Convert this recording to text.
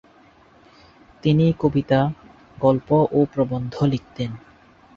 তিনি কবিতা, গল্প ও প্রবন্ধ লিখতেন।